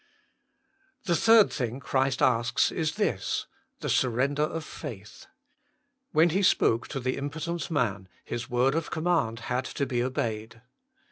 The third thing Christ asks is this, the surrender of faith. When He spoke to the impotent man His word of command had to be obeyed.